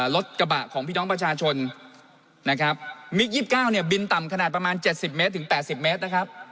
รถกระบะของพี่น้องประชาชนนะครับมิกยี่สิบเก้าเนี้ยบินต่ำขนาดประมาณเจ็ดสิบเมตรถึงแปดสิบเมตรนะครับ